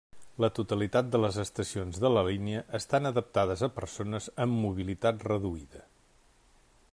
La totalitat de les estacions de la línia estan adaptades a persones amb mobilitat reduïda.